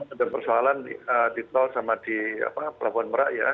ada persoalan di tol sama di pelabuhan merah ya